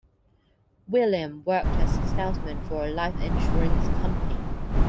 William worked as a salesman for a life insurance company.